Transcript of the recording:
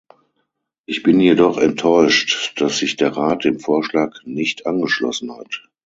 Ich bin jedoch enttäuscht, dass sich der Rat dem Vorschlag nicht angeschlossen hat.